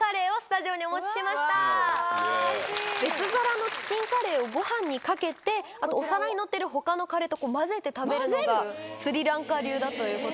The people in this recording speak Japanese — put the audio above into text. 別皿のチキンカレーをご飯にかけてあとお皿にのってる他のカレーと混ぜて食べるのがスリランカ流だということです。